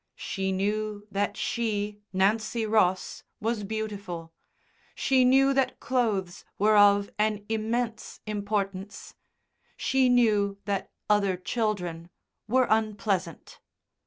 She knew that she, Nancy Ross, was beautiful; she knew that clothes were of an immense importance; she knew that other children were unpleasant.